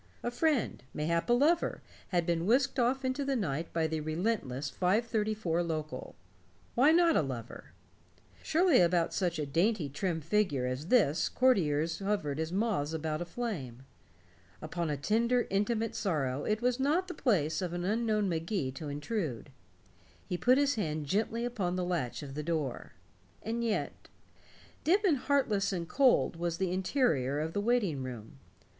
A friend, mayhap a lover, had been whisked off into the night by the relentless five thirty four local. Why not a lover? Surely about such a dainty trim figure as this courtiers hovered as moths about a flame. Upon a tender intimate sorrow it was not the place of an unknown Magee to intrude. He put his hand gently upon the latch of the door. And yet dim and heartless and cold was the interior of that waiting room.